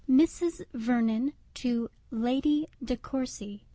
III _Mrs. Vernon to Lady De Courcy.